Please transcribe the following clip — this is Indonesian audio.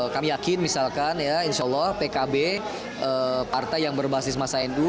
kami yakin misalkan insya allah pkb partai yang berbasis mas aindu